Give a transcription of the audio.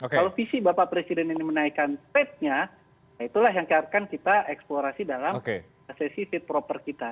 kalau visi bapak presiden ini menaikkan trade nya itulah yang akan kita eksplorasi dalam sesi fit proper kita